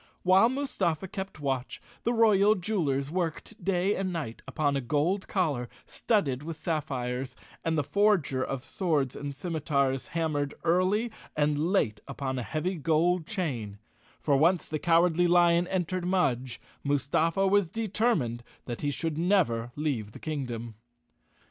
While Mustafa kept watch, the royal jewelers worked day and night upon a gold collar, studded with sapphires, and the forger of swords and scimitars hammered early and late upon a heavy gold chain—for once the Cowardly Lion entered Mudge, Mustafa was determined he should never leave the kingdom.